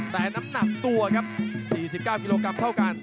แต่น้ำหนักตัวครับ๔๙กิโลกรัมเท่ากัน